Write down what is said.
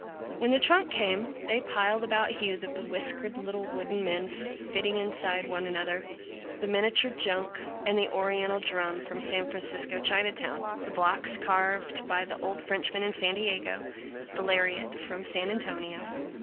When the trunk came they piled about Hugh the bewhiskered little wooden men fitting one inside another, the miniature junk, and the Oriental drum, from San Francisco Chinatown; the blocks carved by the old Frenchman in San Diego; the lariat from San Antonio.